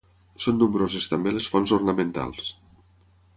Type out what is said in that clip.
Són nombroses també les fonts ornamentals.